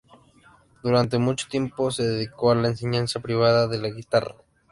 Durante mucho tiempo se dedicó a la enseñanza privada de la guitarra.